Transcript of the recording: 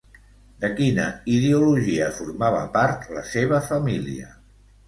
De quina ideologia formava part la seva família?